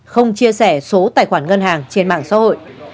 không chia sẻ số tài khoản ngân hàng trên mạng xã hội